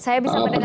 saya bisa mendengar